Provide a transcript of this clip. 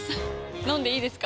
飲んでいいですか？